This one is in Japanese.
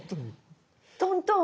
トントン。